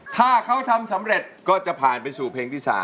ถ้าเขาทำสำเร็จก็จะผ่านไปสู่เพลงที่๓